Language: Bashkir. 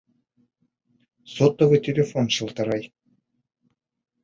Сотовый телефон шылтырай.